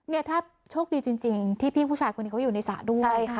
เนี่ยถ้าโชคดีจริงที่พี่ผู้ชายคนนี้เขาอยู่ในสระด้วย